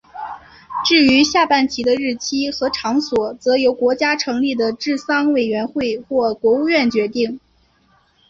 至于下半旗的日期和场所则由国家成立的治丧委员会或国务院决定。